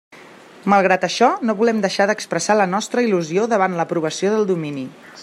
Malgrat això, no volem deixar d'expressar la nostra il·lusió davant l'aprovació del domini.